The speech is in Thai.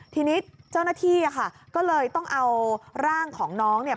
ทีนี้เจ้าหน้าที่ค่ะก็เลยต้องเอาร่างของน้องเนี่ย